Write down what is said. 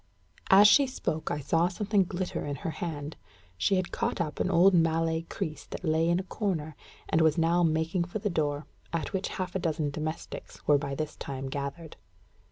As she spoke, I saw something glitter in her hand. She had caught up an old Malay creese that lay in a corner, and was now making for the door, at which half a dozen domestics were by this time gathered.